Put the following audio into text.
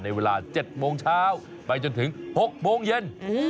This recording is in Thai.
เวลา๗โมงเช้าไปจนถึง๖โมงเย็น